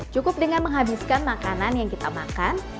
cukup dengan menghabiskan makanan yang kita makan